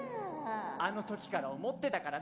あの時から思ってたからな。